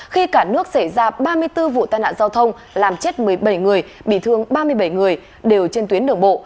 khi cả nước xảy ra ba mươi bốn vụ tai nạn giao thông làm chết một mươi bảy người bị thương ba mươi bảy người đều trên tuyến đường bộ